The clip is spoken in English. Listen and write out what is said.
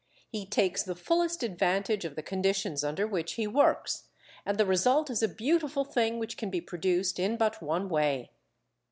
He takes the fullest advantage of the conditions under which he works, and the result is a beautiful thing which can be produced in but one way.